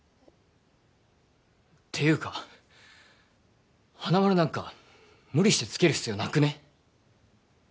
ていうか花丸なんか無理してつける必要なくね？